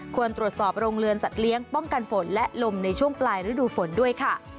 ควรตรวจสอบโรงเรือนสัตว์เลี้ยงป้องกันฝนและลมในช่วงปลายฤดูฝนด้วยค่ะ